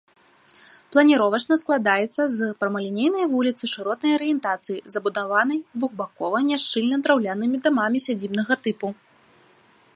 Планіровачна складаецца з прамалінейнай вуліцы шыротнай арыентацыі, забудаванай двухбакова, няшчыльна, драўлянымі дамамі сядзібнага тыпу.